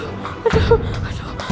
menunggang aku pelan pelan